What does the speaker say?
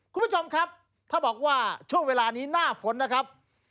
คุณผู้ชมครับถ้าบอกว่าช่วงเวลานี้หน้าฝนนะครับ